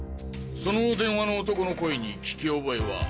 その電話の男の声に聞き覚えは？